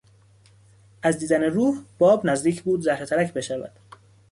از دیدن روح باب نزدیک بود زهره ترک بشود.